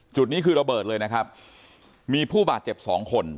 จุดนี้คือระเบิดเลยนะครับมีผู้บาดเจ็บสองคน